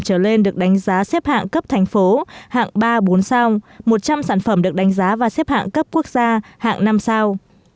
trở lên được đánh giá xếp hạng cấp thành phố hạng ba bốn sao một trăm linh sản phẩm được đánh giá và xếp hạng cấp quốc gia hạng năm sao